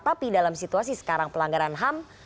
tapi dalam situasi sekarang pelanggaran ham